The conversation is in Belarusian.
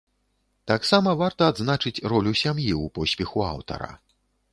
Таксама варта адзначыць ролю сям'і ў поспеху аўтара.